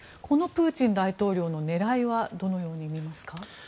このプーチン大統領の狙いはどのようにみますか？